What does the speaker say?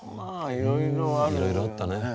いろいろあったね。